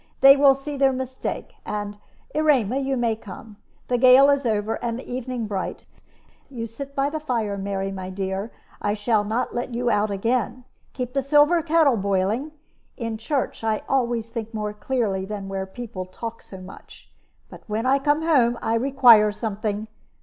They will see their mistake; and, Erema, you may come. The gale is over, and the evening bright. You sit by the fire, Mary, my dear; I shall not let you out again; keep the silver kettle boiling. In church I always think more clearly than where people talk so much. But when I come home I require something.